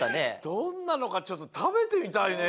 どんなのかちょっと食べてみたいね。